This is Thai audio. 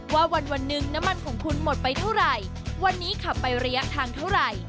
วันวันหนึ่งน้ำมันของคุณหมดไปเท่าไหร่วันนี้ขับไประยะทางเท่าไหร่